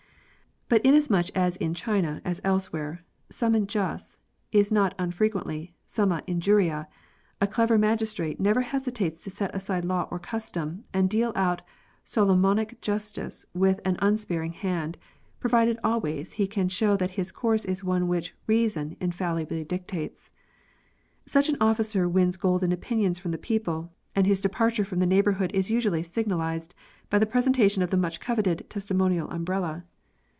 But inasmuch as in China as elsewhere summum jus is not unfrequently summa injuria, a clever magistrate never hesitates to set aside law or custom, and deal out Solomonic justice with an unsparing hand, pro vided always he can shew that his course is one which 7xason infallibly dictates. Such an officer wins golden opinions from the people, and his departure from the neighbourhood is usually signalised by the presentation of the much coveted testimonial umbrella.